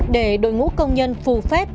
để đội ngũ công nhân phù phép